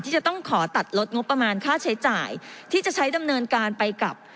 จะต้องขอตัดลดงบประมาณค่าใช้จ่ายที่จะใช้ดำเนินการไปกับ